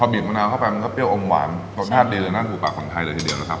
บีบมะนาวเข้าไปมันก็เปรี้ยอมหวานรสชาติดีเลยนะหมูปากของไทยเลยทีเดียวนะครับ